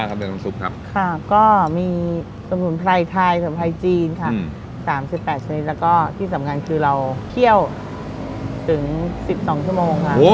มีชีวิตค่ะก็มีสมุนไพรไทยสมไพรจีนฯภาจ๓๘นิตนาที่สำคัญคือเราเที่ยวถึง๑๒ชั่วโมง